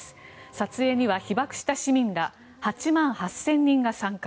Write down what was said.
撮影には被爆した市民ら８万８０００人が参加。